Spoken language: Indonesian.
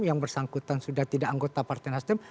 yang bersangkutan sudah tidak anggota partai nasdem